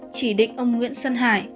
chỉ định ông nguyễn xuân hải